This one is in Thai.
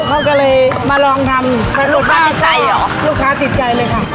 เขาก็เลยมาลองทำลูกค้าติดใจเหรอลูกค้าติดใจเลยค่ะ